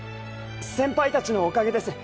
先輩達のおかげです。